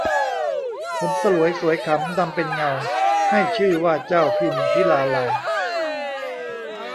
ผมสลวยสวยขำดำเป็นเงา ให้ชื่อว่าเจ้าพิมพิลาไลย